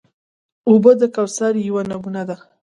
اوبه د کوثر یوه نمونه ده.